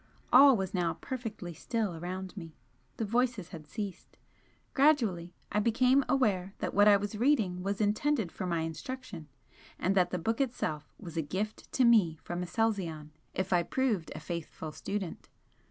All was now perfectly still around me the voices had ceased. Gradually I became aware that what I was reading was intended for my instruction, and that the book itself was a gift to me from Aselzion if I proved a 'faithful student.'